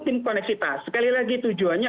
tim koneksitas sekali lagi tujuannya